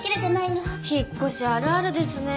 引っ越しあるあるですね。